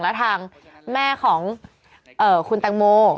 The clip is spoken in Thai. และทางแม่ของคุณแตงโม